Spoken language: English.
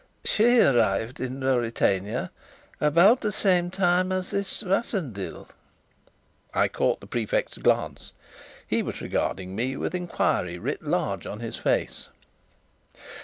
"She arrived in Ruritania about the same time as this Rassendyll." I caught the Prefect's glance; he was regarding me with enquiry writ large on his face.